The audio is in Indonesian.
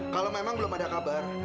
kalau memang belum ada kabar